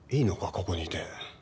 ここにいて。